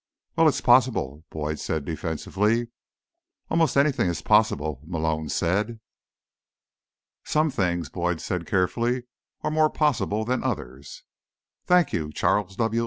"Well, it's possible," Boyd said defensively. "Almost anything is possible," Malone said. "Some things," Boyd said carefully, "are more possible than others." "Thank you, Charles W.